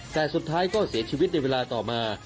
แต่สุดท้ายก็เสียชีวิตในเวลาต่อมา